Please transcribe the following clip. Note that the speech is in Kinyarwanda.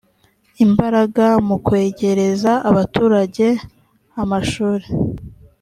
imbaraga mu kwegereza abaturage amashuri